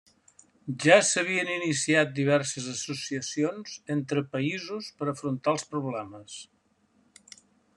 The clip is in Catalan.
Ja s'havien iniciat diverses associacions entre països per afrontar els problemes.